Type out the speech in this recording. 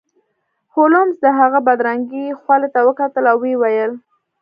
هولمز د هغه بدرنګې خولې ته وکتل او ویې ویل